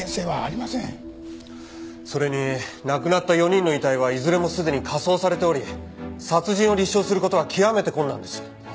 それに亡くなった４人の遺体はいずれもすでに火葬されており殺人を立証する事は極めて困難です。